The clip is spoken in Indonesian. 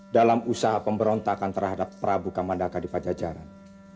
dalam usaha pemberontakan terhadap prabu kamandaka di pajajaran